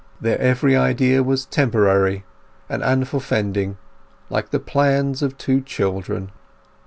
Their every idea was temporary and unforefending, like the plans of two children.